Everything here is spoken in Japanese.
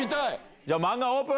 じゃあ、漫画オープン。